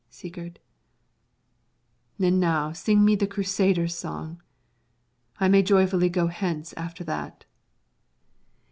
Sigurd And now sing me the Crusader's song. I may joyfully go hence after that.